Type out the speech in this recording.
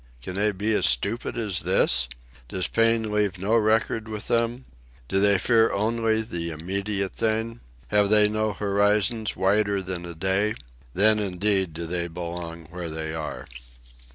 Can they be as stupid as this? Does pain leave no record with them? Do they fear only the immediate thing? Have they no horizons wider than a day? Then indeed do they belong where they are.